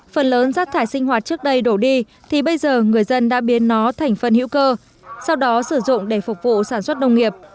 phần lớn rác thải sinh hoạt trước đây đổ đi thì bây giờ người dân đã biến nó thành phân hữu cơ sau đó sử dụng để phục vụ sản xuất nông nghiệp